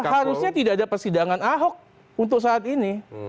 harusnya tidak ada persidangan ahok untuk saat ini